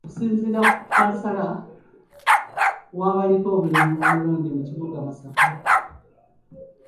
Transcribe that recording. Okusinziira ku kkansala w'abaliko obulemu omulonde mu kibuga Masaka